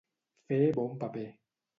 Fer bon paper.